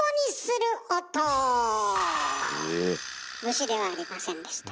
虫ではありませんでした。